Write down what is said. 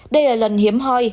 đây là lần hiếm hoi